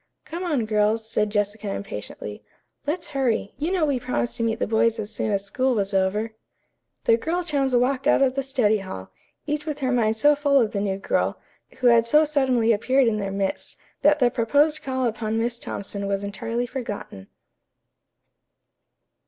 "Come on, girls," said Jessica impatiently. "Let's hurry. You know we promised to meet the boys as soon as school was over." The girl chums walked out of the study hall, each with her mind so full of the new girl, who had so suddenly appeared in their midst, that the proposed call upon Miss Thompson was entirely forgotten.